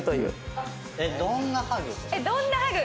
どんなハグ？